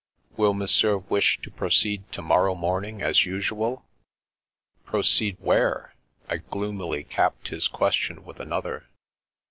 Will Monsieur wish to proceed to morrow morning as usual? "" Proceed where ?" I gloomily capped his ques tion with another.